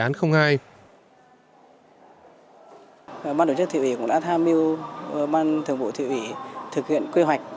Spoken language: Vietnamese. ban đồng chức thị ủy của đa tha miu ban thường bộ thị ủy thực hiện quy hoạch